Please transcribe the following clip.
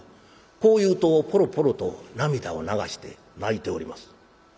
こう言うとポロポロと涙を流して泣いております。